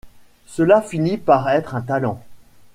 Cela finit par être un talent.